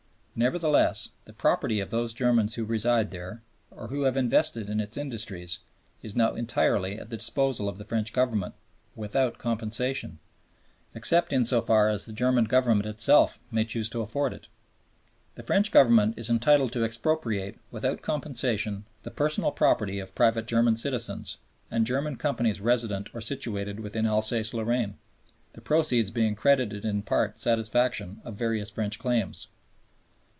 Nevertheless, the property of those Germans who reside there, or who have invested in its industries, is now entirely at the disposal of the French Government without compensation, except in so far as the German Government itself may choose to afford it. The French Government is entitled to expropriate without compensation the personal property of private German citizens and German companies resident or situated within Alsace Lorraine, the proceeds being credited in part satisfaction of various French claims.